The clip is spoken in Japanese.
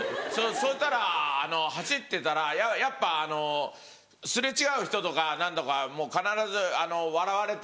そしたら走ってたらやっぱ擦れ違う人とか何度か必ず笑われたり。